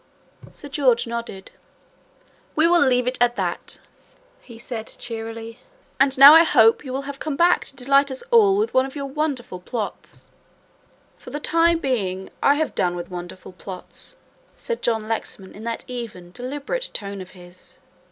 Sir George nodded. "We will leave it at that," he said cheerily, "and now I hope you have come back to delight us all with one of your wonderful plots." "For the time being I have done with wonderful plots," said John Lexman in that even, deliberate tone of his.